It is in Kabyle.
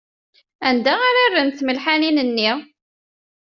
Anda ara rrent tmelḥanin-nni?